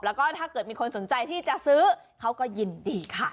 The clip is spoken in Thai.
แล้วก็ถ้าเกิดมีคนสนใจที่จะซื้อเขาก็ยินดีค่ะ